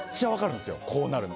こうなるの。